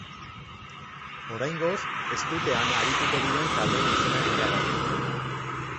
Oraingoz, ez dute han arituko diren taldeen izenak iragarri.